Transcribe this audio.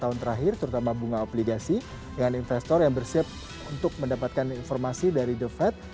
tahun terakhir terutama bunga obligasi dengan investor yang bersiap untuk mendapatkan informasi dari the fed